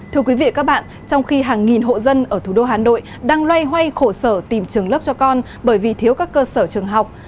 thưa quý vị các bạn trong khi hàng nghìn hộ dân ở thủ đô hà nội đang loay hoay khổ sở tìm trường lớp cho con bởi vì thiếu các cơ sở trường học